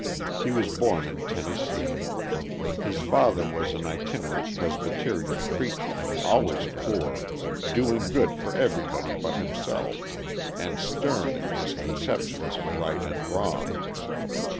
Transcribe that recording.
He was born in Tennessee. His father was an itinerant Presbyterian preacher, always poor, doing good for everybody but himself, and stern in his conceptions of right and wrong.